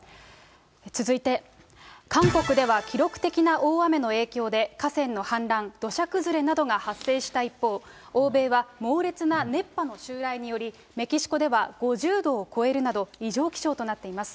続いて、韓国では記録的な大雨の影響で、河川の氾濫、土砂崩れなどが発生した一方、欧米は猛烈な熱波の襲来により、メキシコでは５０度を超えるなど、異常気象となっています。